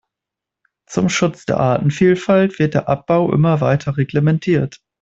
Zum Schutz der Artenvielfalt wird der Abbau immer weiter reglementiert.